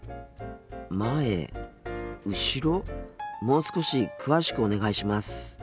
もう少し詳しくお願いします。